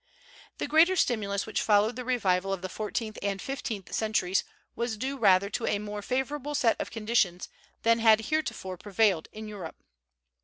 The greater stimulus which followed the revival of the fourteenth and fifteenth centuries was due rather to a more favorable set of conditions than had heretofore prevailed in Europe.